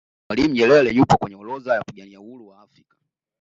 mwalimu nyerere yupo kwenye orodha ya wapigania uhuru wa afrika